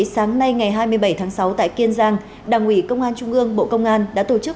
sáng nay ngày hai mươi bảy tháng sáu tại kiên giang đảng ủy công an trung ương bộ công an đã tổ chức